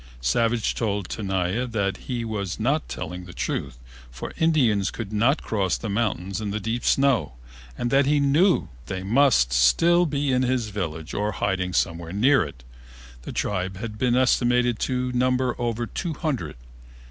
Savage told Tenaya that he was not telling the truth, for Indians could not cross the mountains in the deep snow, and that he knew they must still be at his village or hiding somewhere near it. The tribe had been estimated to number over two hundred.